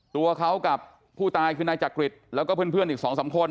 ตัวเขากับผู้ตายคือนายจักริตแล้วก็เพื่อนอีก๒๓คน